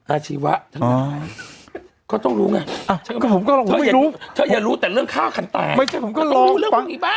อาชีวะทั้งแต่